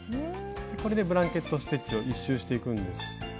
これでブランケット・ステッチを１周していくんです。